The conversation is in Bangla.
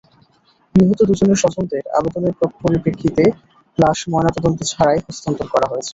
নিহত দুজনের স্বজনদের আবেদনের পরিপ্রেক্ষিতে লাশ ময়নাতদন্ত ছাড়াই হস্তান্তর করা হয়েছে।